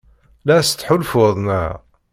La as-tettḥulfuḍ, naɣ?